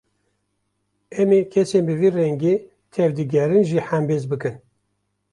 Em ê kesên bi vî rengî tevdigerin jî hembêz bikin